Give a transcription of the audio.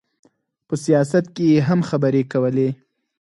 په سیاست کې یې هم خبرې کولې.